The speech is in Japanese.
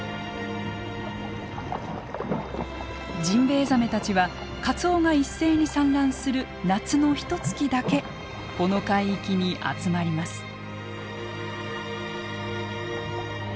ジンベエザメたちはカツオが一斉に産卵する夏のひとつきだけこの海域に集まります。